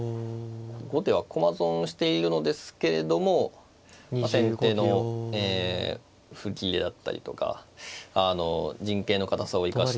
後手は駒損しているのですけれども先手の歩切れだったりとか陣形の堅さを生かして。